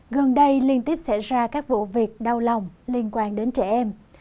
gần đây liên tiếp xảy ra các vụ việc đau lòng liên quan đến trẻ em